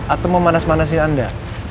atau memanas manasi anda